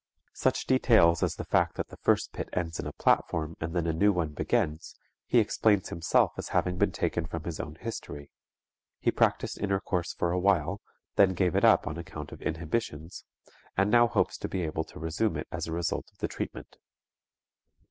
Such details as the fact that the first pit ends in a platform and then a new one begins, he explains himself as having been taken from his own history. He practiced intercourse for a while, then gave it up on account of inhibitions, and now hopes to be able to resume it as a result of the treatment.